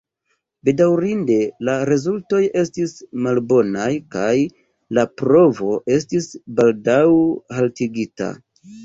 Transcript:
Bedaŭrinde la rezultoj estis malbonaj kaj la provo estis baldaŭ haltigita.